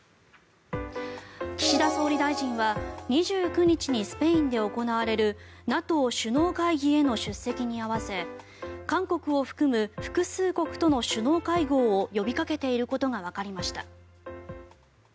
岸田総理大臣は２９日にスペインで行われるＮＡＴＯ首脳会議への出席に合わせ韓国を含む複数国との首脳会合を呼びかけていることがわかりました。